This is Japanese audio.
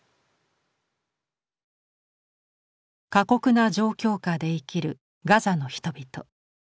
過酷な状況下で生きるガザの人々。